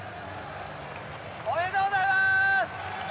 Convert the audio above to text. おめでとうございます！